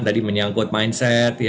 tadi menyangkut mindset